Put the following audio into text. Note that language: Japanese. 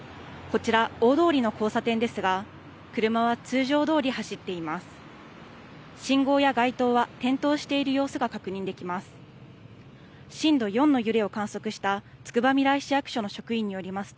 こちら、大通りの交差点ですが車は通常どおり走っています。